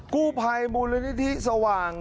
กู้ภัยมูลนิธิสว่าง